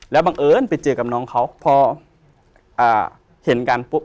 แล้วบังเอิญไปเจอกับน้องเขาพอเห็นกันปุ๊บ